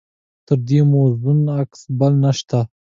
تر ده موزون کس بل نشته.